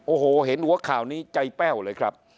โอ้โหเห็นหัวข่าวนี้ใจแป้วเลยครับ